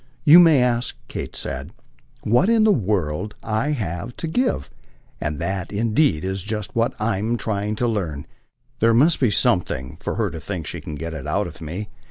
"You may ask," Kate said, "what in the world I have to give; and that indeed is just what I'm trying to learn. There must be something, for her to think she can get it out of me.